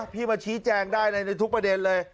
มาชี้แจงได้ในทุกประเด็นเลย